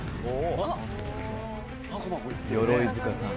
鎧塚さん